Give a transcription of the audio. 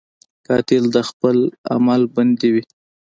قاتل د خپل عمل بندي وي